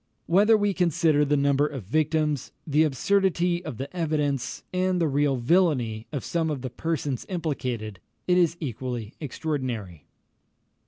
Whether we consider the number of victims, the absurdity of the evidence, and the real villany of some of the persons implicated, it is equally extraordinary.